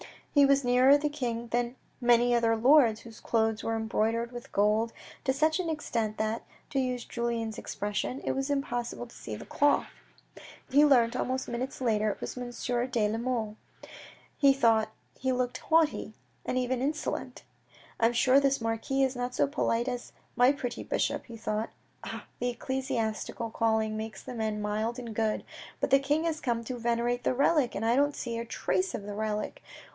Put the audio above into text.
He was nearer the king than many other lords, whose clothes were embroidered with gold to such an extent that, to use Julien's expression, it was impossible to see the cloth. He learnt some minutes later that it was Monsieur de la Mole. He thought he looked haughty, and even insolent. " I'm sure this marquis is not so polite as my pretty bishop," he thought. " Ah, the ecclesiastical calling makes men mild and good. But the king has come to venerate the relic, and I don't see a trace of the relic.